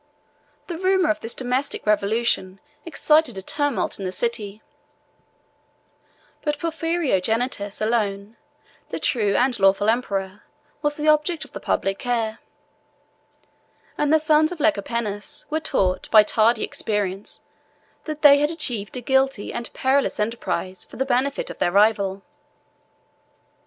The rumor of this domestic revolution excited a tumult in the city; but Porphyrogenitus alone, the true and lawful emperor, was the object of the public care; and the sons of Lecapenus were taught, by tardy experience, that they had achieved a guilty and perilous enterprise for the benefit of their rival.